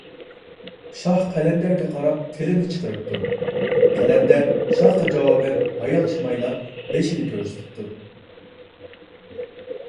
شاھ قەلەندەرگە قاراپ تىلىنى چىقىرىپتۇ، قەلەندەر شاھقا جاۋابەن ھايالشىمايلا بېشىنى كۆرسىتىپتۇ.